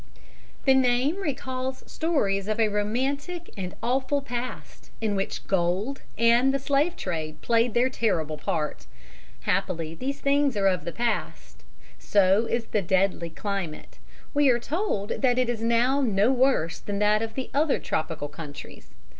_ The name recalls stories of a romantic and awful past, in which gold and the slave trade played their terrible part. Happily these are things of the past; so is the "deadly climate." We are told that it is now no worse than that of other tropical countries.